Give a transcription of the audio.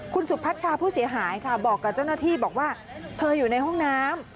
คุณสุพัชชาผู้เสียหายค่ะบอกกับเจ้าหน้าที่บอกว่าเธออยู่ในห้องน้ำ